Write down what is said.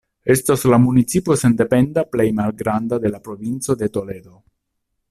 Estas la municipo sendependa plej malgranda de la provinco de Toledo.